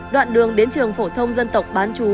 đoạn đường đến trường phổ thông dân tộc bán chú